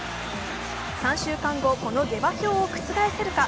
３週間後、この下馬評を覆せるか